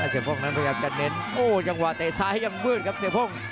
เสียโพ่งนั้นพยายามจะเน้นโอ้จังหวะเตะซ้ายยังมืดครับเสียโพ่ง